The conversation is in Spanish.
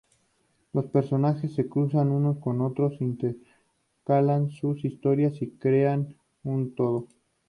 Los personajes se cruzan unos con otros, intercalan sus historias y crean un todo.